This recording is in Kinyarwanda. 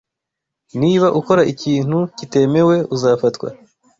Niba ukora ikintu kitemewe uzafatwa.